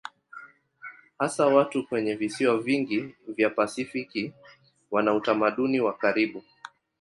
Hasa watu kwenye visiwa vingi vya Pasifiki wana utamaduni wa karibu.